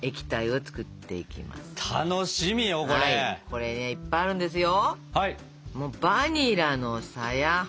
これねいっぱいあるんですよ。